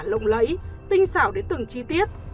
lộng lẫy tinh xảo đến từng chi tiết